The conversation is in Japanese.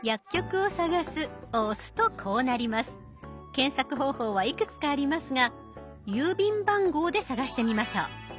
検索方法はいくつかありますが郵便番号で探してみましょう。